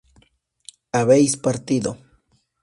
habéis partido